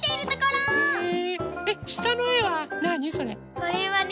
これはね